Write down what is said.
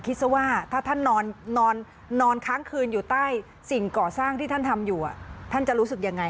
ซะว่าถ้าท่านนอนค้างคืนอยู่ใต้สิ่งก่อสร้างที่ท่านทำอยู่ท่านจะรู้สึกยังไง